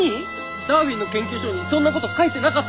ダーウィンの研究書にそんなこと書いてなかったよ！